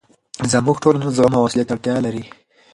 زموږ ټولنه زغم او حوصلې ته اړتیا لري.